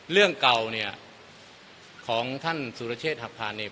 เรื่องเก่าเนี่ยของท่านสุรเชษฐหักผ่านเนี่ย